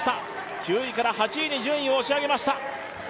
９位から８位に順位を押し上げました。